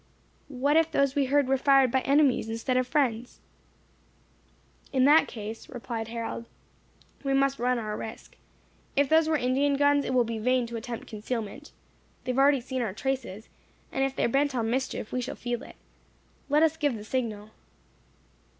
"What if those we heard were fired by enemies, instead of friends?" "In that case," replied Harold, "we must run our risk. If those were Indian guns, it will be vain to attempt concealment. They have already seen our traces; and if they are bent on mischief, we shall feel it. Let us give the signal."